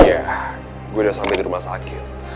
iya gue udah sampai di rumah sakit